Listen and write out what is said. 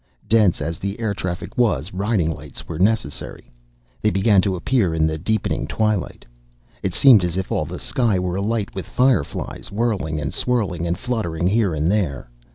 Dense as the air traffic was, riding lights were necessary. They began to appear in the deepening twilight. It seemed as if all the sky were alight with fireflies, whirling and swirling and fluttering here and there.